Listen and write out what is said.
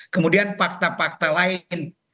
kemudian fakta fakta lain